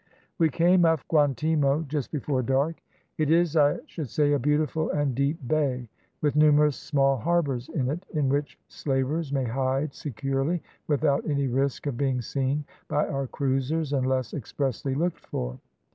"We came off Guantimo just before dark. It is, I should say, a beautiful and deep bay, with numerous small harbours in it, in which slavers may hide securely without any risk of being seen by our cruisers, unless expressly looked for.